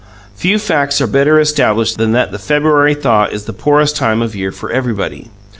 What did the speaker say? Few facts are better established than that the February thaw is the poorest time of year for everybody.